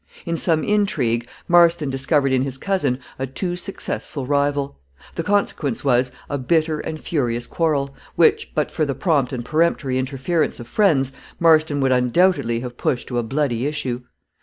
In some intrigue, Marston discovered in his cousin a too successful rival; the consequence was, a bitter and furious quarrel, which, but for the prompt and peremptory interference of friends, Marston would undoubtedly have pushed to a bloody issue.